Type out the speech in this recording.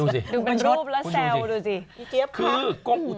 สิเจ๊ฟครับ